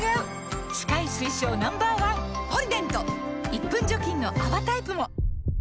１分除菌の泡タイプも！